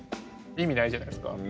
意味ないじゃないですか。